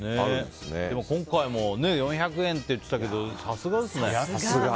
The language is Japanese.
今回も４００円って言ってたけどさすがですね。